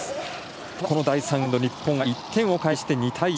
この第３エンド日本は１点を返して２対１。